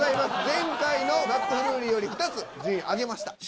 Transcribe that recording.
前回のマックフルーリーより２つ順位上げました。